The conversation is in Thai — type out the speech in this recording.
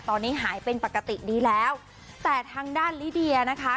ตอนนี้หายเป็นปกติดีแล้วแต่ทางด้านลิเดียนะคะ